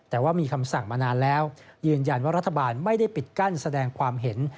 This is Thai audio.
แต่ว่ามีคำสั่งมานานแล้วยืนยันว่ารัฐบาลไม่ได้ปิดกั้นแสดงความเห็น